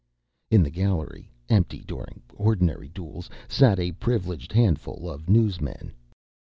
In the gallery—empty during ordinary duels—sat a privileged handful of newsmen.